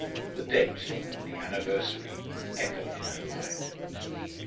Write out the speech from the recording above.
The date the anniversary echoed in her mind.